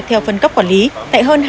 theo phân cấp quản lý tại hơn hai trăm linh